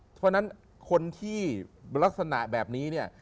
เพราะฉะนั้นคนที่ลักษณะแบบนี้เนี่ย